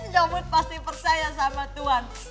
ya ampun pasti percaya sama tuhan